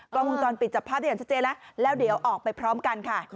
กล้องวงจรปิดจับพระเจนชัดเจนแล้วเดี๋ยวออกไปพร้อมกันค่ะ